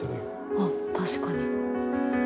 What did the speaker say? あっ確かに。